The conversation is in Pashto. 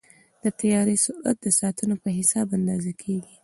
د طیارې سرعت د ساعتونو په حساب اندازه کېږي.